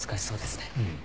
うん。